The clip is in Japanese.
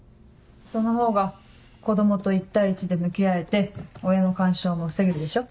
そのほうが子供と１対１で向き合えて親の干渉も防げるでしょ。